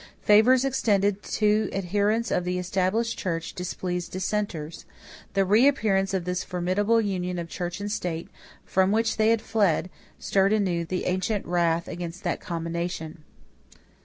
Favors extended to adherents of the Established Church displeased Dissenters. The reappearance of this formidable union of church and state, from which they had fled, stirred anew the ancient wrath against that combination.